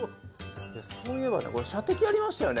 そういえば射的ありましたよね